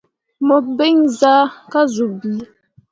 Mu biŋ zaa ka zuu bii.